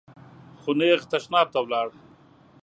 خو نېغ تشناب ته ولاړ .